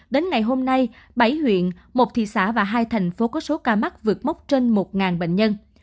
đến ngày hôm nay bảy huyện một thị xã và hai thành phố có số ca mắc vượt mốc trên một bệnh nhân